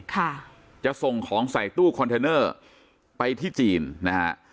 ค่ะจะส่งของใส่ตู้คอนเทนเนอร์ไปที่จีนนะฮะ